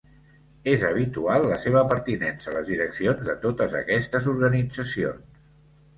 És habitual la seva pertinença a les direccions de totes aquestes organitzacions.